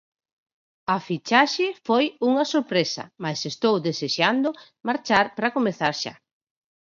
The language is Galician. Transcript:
A fichaxe foi unha sorpresa mais estou desexando marchar para comezar xa.